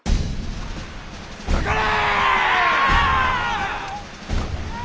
かかれ！